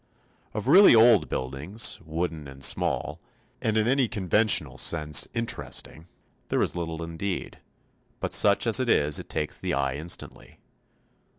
] Of really old buildings, wooden and small, and in any conventional sense interesting, there is little indeed, but such as it is it takes the eye instantly.